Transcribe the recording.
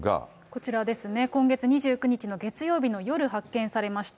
こちらですね、今月２９日の月曜日の夜、発見されました。